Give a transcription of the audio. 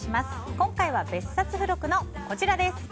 今日は別冊付録のこちらです。